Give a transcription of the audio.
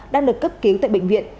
đang được cấp cứu tại bệnh viện